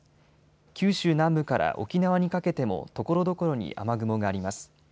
九州南部から沖縄にかけてもところどころに雨雲があります。